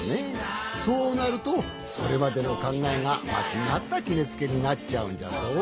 そうなるとそれまでのかんがえがまちがったきめつけになっちゃうんじゃぞ。